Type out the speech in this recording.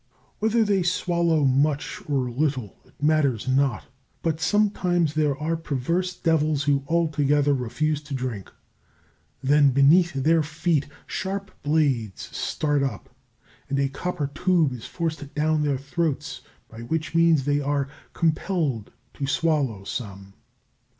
Whether they swallow much or little it matters not; but sometimes there are perverse devils who altogether refuse to drink. Then beneath their feet sharp blades start up, and a copper tube is forced down their throats, by which means they are compelled to swallow some.